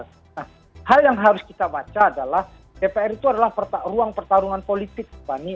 nah hal yang harus kita baca adalah dpr itu adalah ruang pertarungan politik fani